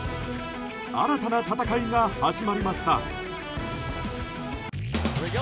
新たな戦いが始まりました。